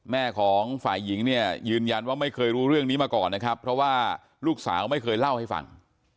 แม่ของฝ่ายหญิงเนี่ยยืนยันว่าไม่เคยรู้เรื่องนี้มาก่อนนะครับเพราะว่าลูกสาวไม่เคยเล่าให้ฟัง